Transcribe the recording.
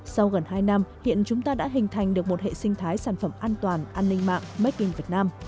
sau gần hai năm hiện chúng ta đã hình thành được một hệ sinh thái sản phẩm an toàn an ninh mạng making việt nam